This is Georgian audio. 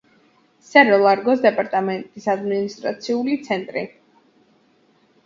სერო-ლარგოს დეპარტამენტის ადმინისტრაციული ცენტრი.